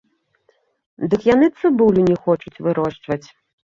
Дык яны цыбулю не хочуць вырошчваць!